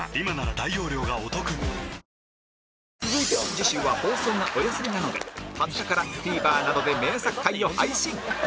次週は放送がお休みなので２０日から ＴＶｅｒ などで名作回を配信